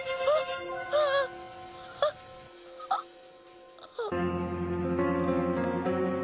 あっ。